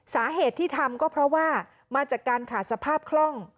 สาเหตุที่ทำก็เพราะว่ามาจากการขาดสภาพคล่อง